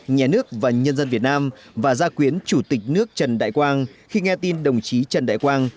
nhà nước và nhân dân việt nam và gia quyến chủ tịch nước trần đại quang khi nghe tin đồng chí trần đại quang